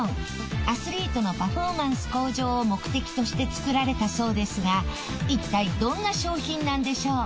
アスリートのパフォーマンス向上を目的として作られたそうですが一体どんな商品なんでしょう？